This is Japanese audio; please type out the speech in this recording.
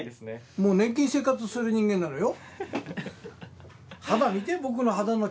もう年金生活する人間なのよ。